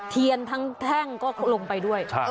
เทียนทั้งแท่งก็ลงไปด้วย